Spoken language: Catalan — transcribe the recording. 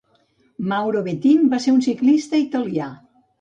Mauro Bettin va ser un ciclista italià.